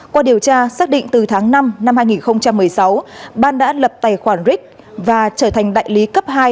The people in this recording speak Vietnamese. qua điều tra xác định từ tháng năm năm hai nghìn một mươi sáu ban đã lập tài khoản ric và trở thành đại lý cấp hai